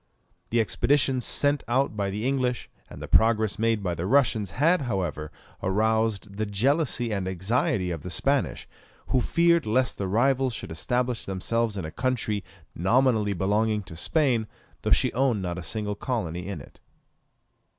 The expeditions sent out by the English, and the progress made by the Russians, had, however, aroused the jealousy and anxiety of the Spanish, who feared lest their rivals should establish themselves in a country nominally belonging to Spain, though she owned not a single colony in it.